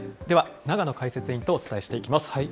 ではながの解説委員とお伝えしていきます。